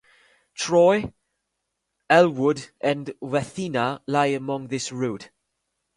Troy, Elwood, and Wathena lie along this route.